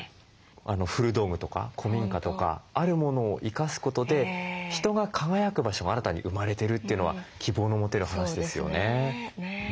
古道具とか古民家とかあるものを生かすことで人が輝く場所が新たに生まれてるというのは希望の持てる話ですよね。